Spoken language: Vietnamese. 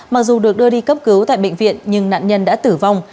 mặc dù được đưa đi cấp cứu tại bệnh viện nhưng nạn nhân đã tử vong